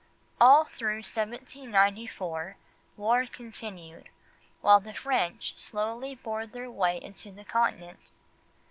All through 1794 war continued, while the French slowly bored their way into the Continent.